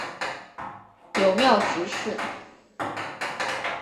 友庙执事。